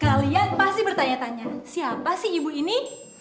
kalian pasti bertanya tanya siapa sih ibu ini